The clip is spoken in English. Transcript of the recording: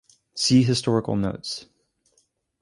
See historical notes.